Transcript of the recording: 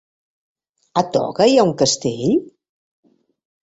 A Toga hi ha un castell?